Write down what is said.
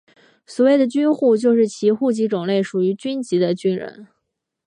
所谓的军户就是其户籍种类属于军籍的军人。